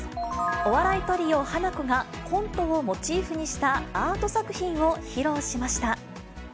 お笑いトリオ、ハナコがコントをモチーフにしたアート作品を披露しました。